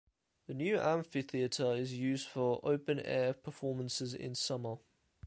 The new amphitheatre is used for open air performances in summer.